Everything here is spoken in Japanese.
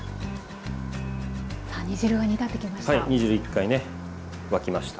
さあ煮汁が煮立ってきました。